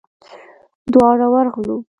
دواړه ورغلو.